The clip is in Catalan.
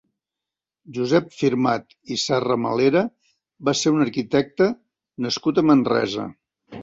Josep Firmat i Serramalera va ser un arquitecte nascut a Manresa.